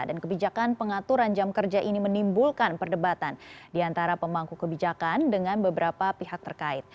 dan kebijakan pengaturan jam kerja ini menimbulkan perdebatan di antara pemangku kebijakan dengan beberapa pihak terkait